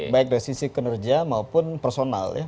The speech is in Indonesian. baik dari sisi kinerja maupun personal ya